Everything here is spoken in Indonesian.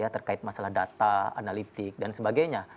terkait masalah data analitik dan sebagainya